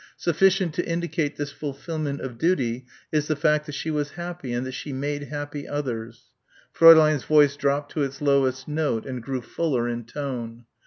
"Sufficient to indicate this fulfilment of duty is the fact that she was happy and that she made happy others " Fräulein's voice dropped to its lowest note and grew fuller in tone.